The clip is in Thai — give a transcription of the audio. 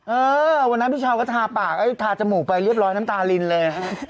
เออวันนั้นพี่เช้าก็ทาปากทาจมูกไปเรียบร้อยน้ำตาลินเลย